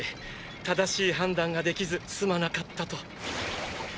正しい判断ができずすまなかったと。